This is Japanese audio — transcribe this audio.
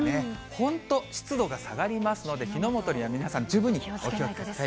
本当、湿度が下がりますので、火の元には皆さん十分にお気をつけください。